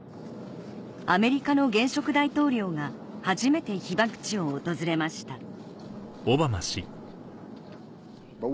アメリカの現職大統領が初めて被爆地を訪れました